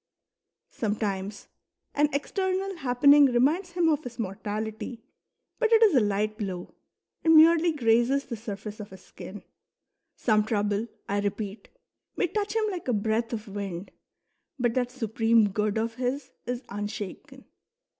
Sometimes an external happening reminds him of his mortality, but it is a light blow, and merely grazes the surface of his skin." Some trouble, I repeat, may touch him like a breath of wind, but that Supreme Good of his is unshaken.